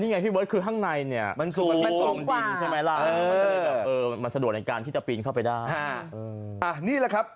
นี่ไงทั้งในครอบครองนี้มันส่วนเย็นเหลว